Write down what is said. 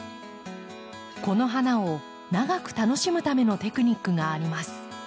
この花を長く楽しむためのテクニックがあります。